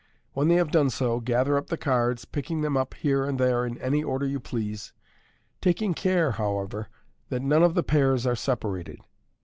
When they have done so, gather up the cards, picking them up here and there in any order you please, taking care, however, that none of the pairs are separated.